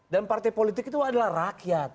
partai politik itu adalah rakyat